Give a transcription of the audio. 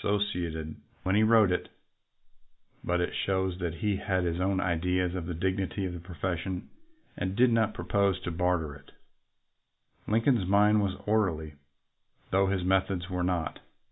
99 LINCOLN THE LAWYER ciated when he wrote it, but it shows that he had his own ideas of the dignity of the profession and did not purpose to barter it. Lincoln's mind was orderly, though his methods were not.